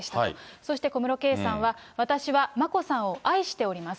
そして小室圭さんは、私は眞子さんを愛しております。